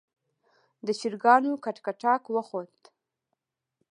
د چرګانو کټکټاک وخوت.